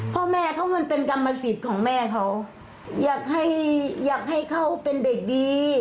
พ่อแม่เขามันเป็นกรรมสิทธิ์ของแม่เขาอยากให้อยากให้เขาเป็นเด็กดี